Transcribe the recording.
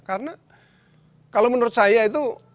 karena kalau menurut saya itu